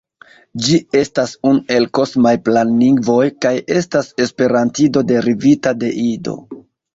Ĝi estas unu el "kosmaj planlingvoj" kaj estas esperantido derivita de Ido.